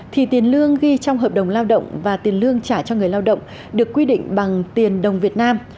thì tiền lương ghi trong hợp đồng lao động và tiền lương trả cho người lao động được quy định bằng tiền đồng việt nam